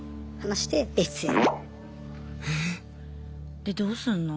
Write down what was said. でどうすんの？